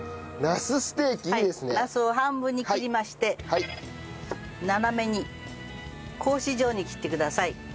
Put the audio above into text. なすを半分に切りまして斜めに格子状に切ってください。